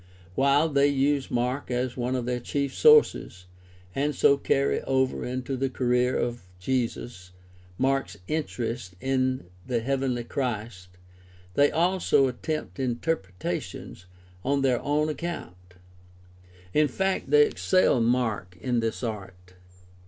While they use Mark as one of their chief sources, and so carry over into the career of Jesus Mark's interest in the heavenly Christ, they also attempt interpretations on their own account. In fact, they excel Mark in this art.